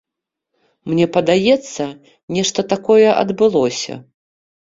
Мне падаецца, нешта такое адбылося.